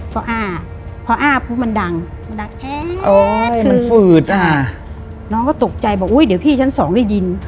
เพราะพออะอาออพู่มันดังมันดั๊กคือมันฝืดอะน้องก็ตกใจบอกอุ้ยเดี๋ยวพี่ชั้นสองได้ยิน